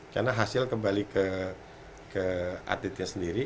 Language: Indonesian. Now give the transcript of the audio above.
karena hasil kembali ke atletnya sendiri